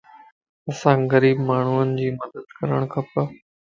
اسانک غريب ماڻھين جي مدد ڪرڻ کپ